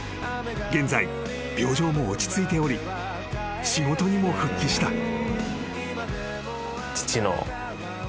［現在病状も落ち着いており仕事にも復帰した］